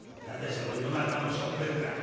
その『夜中のしょんべん』ってのは？」。